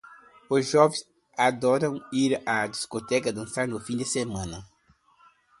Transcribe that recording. Os jovens adoram ir à discoteca dançar no fim de semana.